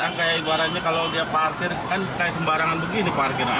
kan kayak ibaratnya kalau dia parkir kan kayak sembarangan begini parkirnya